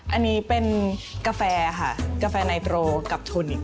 อันนี้เป็นกาแฟค่ะกาแฟนายโตรกับทุนนิค